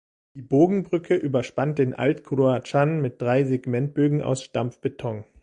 Die Bogenbrücke überspannt den Allt Cruachan mit drei Segmentbögen aus Stampfbeton.